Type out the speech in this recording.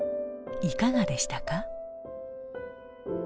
いかがでしたか？